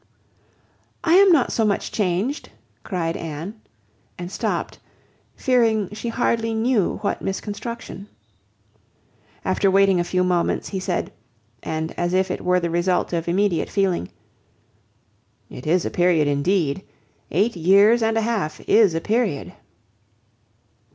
"I am not yet so much changed," cried Anne, and stopped, fearing she hardly knew what misconstruction. After waiting a few moments he said, and as if it were the result of immediate feeling, "It is a period, indeed! Eight years and a half is a period."